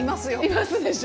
いますでしょ！